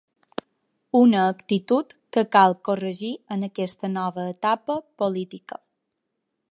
Una actitud que cal corregir en aquesta nova etapa política.